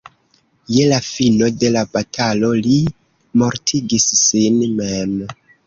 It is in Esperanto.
Je la fino de la batalo li mortigis sin mem.